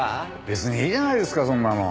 別にいいじゃないですかそんなの。